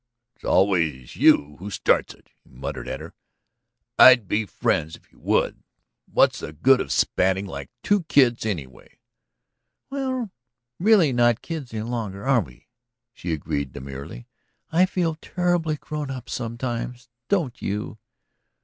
"It's always you who starts it," he muttered at her. "I'd be friends if you would. What's the good of spatting like two kids, anyway?" "We're really not kids any longer, are we?" she agreed demurely. "I feel terribly grown up sometimes, don't you?"